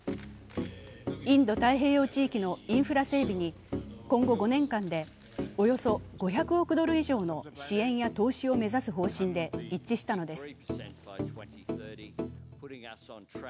インド太平洋地域のインフラ整備に今後５年間でおよそ５００億ドル以上の支援や投資を目指す方針で一致したのです。